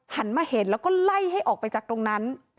หันมาเห็นแล้วก็ไล่ให้ออกไปจากตรงนั้น